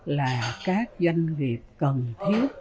là các doanh nghiệp cần thiết